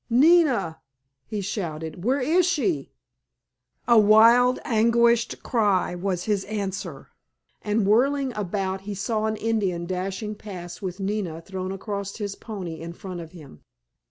"Nina?" he shouted, "where is she?" A wild, anguished cry was his answer, and whirling about he saw an Indian dashing past with Nina thrown across his pony in front of him.